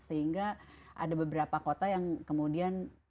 sehingga ada beberapa kota yang kemudian